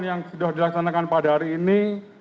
yang sudah dilaksanakan pada hari ini